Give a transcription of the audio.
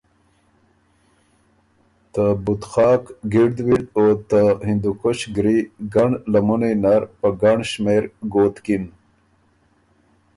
ته بتخاک ګِړد وِړد او ته هندوکش ګری ګنړ لمُنئ نر په ګنړ شمېر ګوتکِن۔